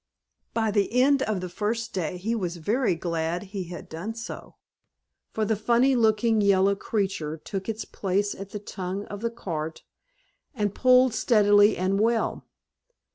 By the end of the first day he was very glad he had done so, for the funny looking yellow creature took its place at the tongue of the cart and pulled steadily and well.